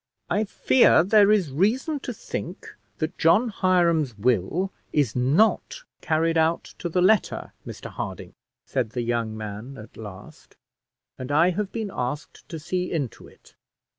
"I fear there is reason to think that John Hiram's will is not carried out to the letter, Mr Harding," said the young man at last; "and I have been asked to see into it."